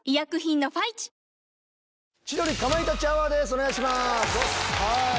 お願いします。